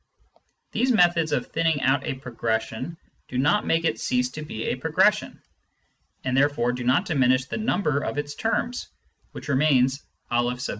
These methods of thinning out a progression do not make it cease to be a progression, and therefore do not diminish the number of its terms, which remains N .